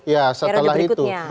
ya setelah itu